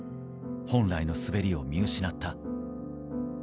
本来の滑りを見失った。